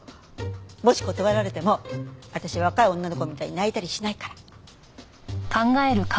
もし断られても私若い女の子みたいに泣いたりしないから。